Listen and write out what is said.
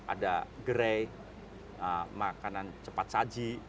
ada gerai makanan cepat saji